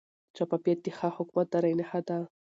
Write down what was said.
شفافیت د ښه حکومتدارۍ نښه ده.